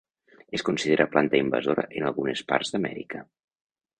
Es considera planta invasora en algunes parts d'Amèrica.